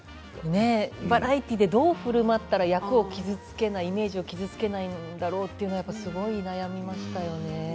バラエティーでどうふるまったら役を傷つけない、イメージを傷つけないんだろうと思うとすごい悩みましたよね。